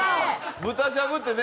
豚しゃぶってね